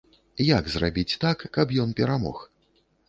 Як зрабіць так, каб ён перамог?